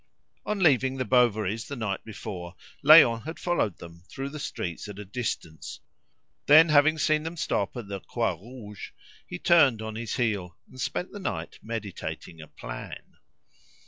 On leaving the Bovarys the night before, Léon had followed them through the streets at a distance; then having seen them stop at the "Croix Rouge," he turned on his heel, and spent the night meditating a plan.